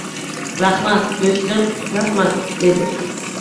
— Rahmat, do‘stim, rahmat! — dedi.